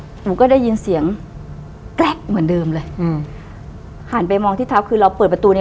หนูก็ได้ยินเสียงแกร๊กเหมือนเดิมเลยอืมหันไปมองที่เท้าคือเราเปิดประตูเนี้ย